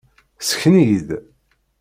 Ssken-iyi-d!